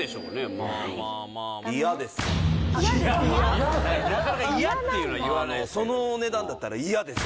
なかなか嫌っていうのは言わないですけどあのそのお値段だったら嫌です